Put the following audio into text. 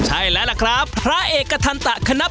ใช่แล้วล่ะครับพระเอกทันตะคณะ